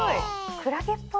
クラゲっぽい？